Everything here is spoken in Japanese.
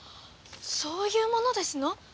そういうものですの？